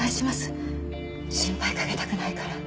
心配掛けたくないから